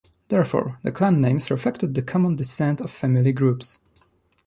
Therefore, the clan names reflected the common descent of family groups.